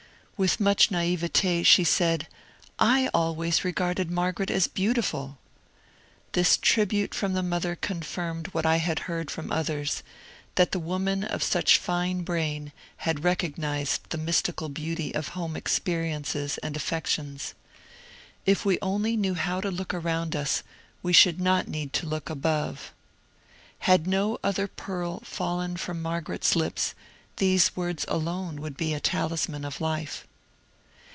With much naivete she said, ^^ I always regarded Margaret as beautiful !" This tribute from the mother confirmed what I had heard from others, that the woman of such fine brain had recognized the mystical beauty of home experiences and affections. '^ If we only knew how to look around us we should not need to look SENIOR YEAB AT HARVARD 179 above.'' Had no other pearl fallen from Margaret's lips, these words alone would be a talisman of life.